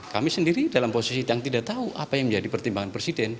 kami sendiri dalam posisi yang tidak tahu apa yang menjadi pertimbangan presiden